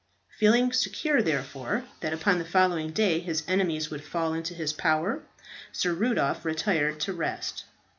Feeling secure therefore that upon the following day his enemies would fall into his power, Sir Rudolph retired to rest.